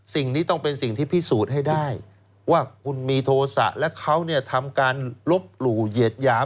สิ่งนี้ต้องเป็นสิ่งที่พิสูจน์ให้ได้ว่าคุณมีโทษะและเขาทำการลบหลู่เหยียดหยาม